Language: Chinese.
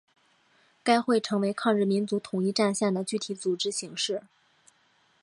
该会成为抗日民族统一战线的具体组织形式。